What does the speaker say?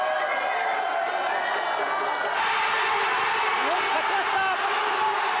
日本、勝ちました！